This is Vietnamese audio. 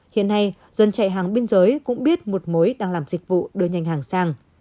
hiện nay dân chạy hàng biên giới cũng biết một mối đang làm dịch vụ đưa nhanh hàng sang